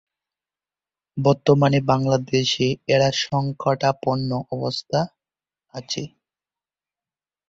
বর্তমানে বাংলাদেশে এরা সংকটাপন্ন অবস্থায় আছে।